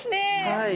はい。